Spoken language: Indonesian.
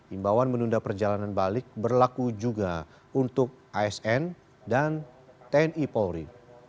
imbauan menunda perjalanan balik berlaku juga untuk asn dan tni polri